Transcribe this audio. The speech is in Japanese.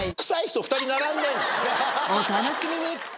お楽しみに！